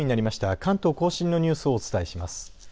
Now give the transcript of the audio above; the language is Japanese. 関東甲信のニュースをお伝えします。